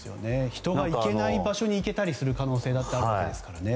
人が行けない場所に行けたりする可能性がありますからね。